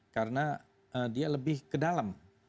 karena dia lebih ke dalam